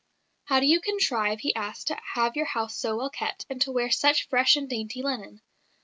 "How do you contrive," he asked, "to have your house so well kept, and to wear such fresh and dainty linen?"